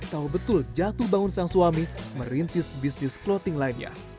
tahu betul jatuh bangun sang suami merintis bisnis clothing line nya